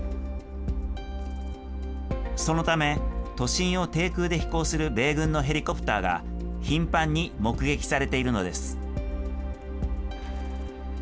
そのため、都心を低空で飛行する米軍のヘリコプターが頻繁に目撃されているのです。